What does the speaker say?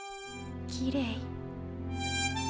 きれい。